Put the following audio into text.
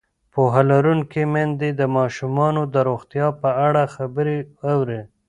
پوهه لرونکې میندې د ماشومانو د روغتیا په اړه خبرې اوري.